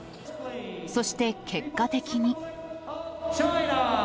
そして結果的に。